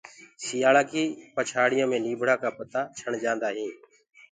سيآݪآ ڪيٚ پڇاڙيو مي نيٚڀڙآ ڪآ متآ ڇڻ جآنٚدآ هينٚ